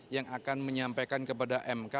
yang akan menyampaikan kepada mk